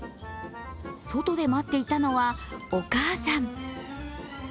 外で待っていたのはお母さん。